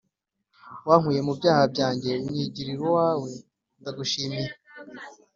Wankuye mu byaha byanjye unyigirira uwawe ndagushimiye